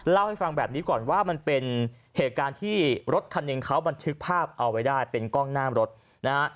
เล่าให้ฟังแบบนี้ก่อนว่ามันเป็นเหตุการณ์ที่รถคันหนึ่งเขาบันทึกภาพเอาไว้ได้เป็นกล้องหน้ารถนะฮะ